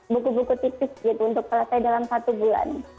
buku buku tipis gitu untuk selesai dalam satu bulan